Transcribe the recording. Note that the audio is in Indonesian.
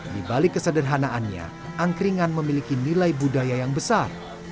di balik kesederhanaannya angkringan memiliki nilai budaya yang besar